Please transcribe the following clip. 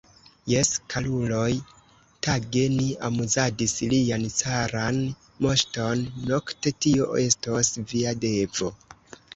Jes, karuloj, tage ni amuzadis lian caran moŝton, nokte tio estos via devo.